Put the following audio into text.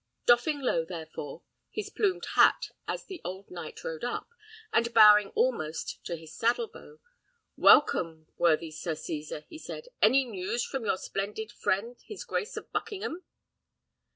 Doffing low, therefore, his plumed hat as the old knight rode up, and bowing almost to his saddle bow, "Welcome, worthy Sir Cesar," he said; "any news from your splendid friend his Grace of Buckingham?"